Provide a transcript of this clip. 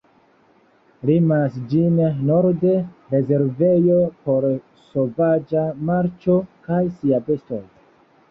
Limas ĝin norde rezervejo por sovaĝa marĉo kaj sia bestoj.